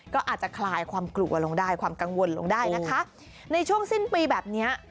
ก็อาจจะคลายความกลัวลงได้ความกังวลลงได้นะคะในช่วงสิ้นปีแบบเนี้ย